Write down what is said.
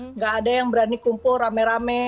nggak ada yang berani kumpul rame rame